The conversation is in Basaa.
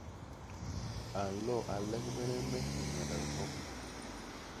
A nlo a légbene me ni ñgandak hop.